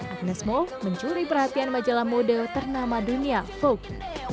agnes mo mencuri perhatian majalah mode ternama dunia vogue